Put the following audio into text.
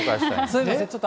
すみません。